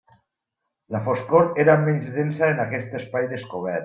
La foscor era menys densa en aquest espai descobert.